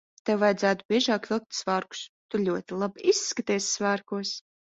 Tev vajadzētu biežāk vilkt svārkus. Tu ļoti labi izskaties svārkos.